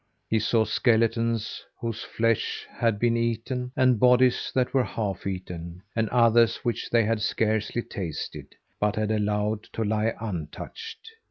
He saw skeletons whose flesh had been eaten, and bodies that were half eaten, and others which they had scarcely tasted, but had allowed to lie untouched.